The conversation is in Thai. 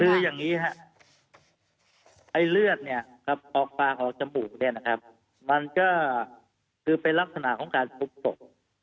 คืออย่างนี้ครับเลือดออกปากออกจมูกมันก็คือเป็นลักษณะของการทุกข์ตก